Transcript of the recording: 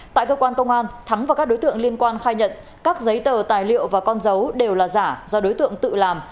tại cơ quan công an thắng và các đối tượng liên quan khai nhận các giấy tờ tài liệu và con dấu đều là giả do đối tượng tự làm